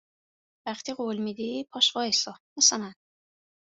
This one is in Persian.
وقتی قول میدی پاش وایسا مثل من